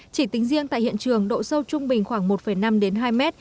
chỉ tính riêng tại hiện trường độ sâu trung bình khoảng một năm hai m